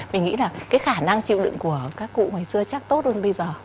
mình nghĩ là cái khả năng chịu được của các cụ ngoài xưa chắc tốt hơn bây giờ